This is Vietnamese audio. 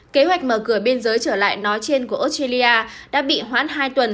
kế hoạch mở cửa biên giới trở lại nói trên của australia đã bị hoãn hai tuần